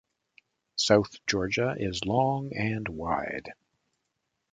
South Georgia is long and wide.